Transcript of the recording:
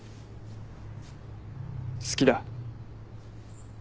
好きだ。